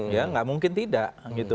ya tidak mungkin tidak